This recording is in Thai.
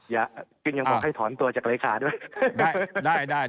ยังบอกให้ถอนตัวจากรายคาด้วย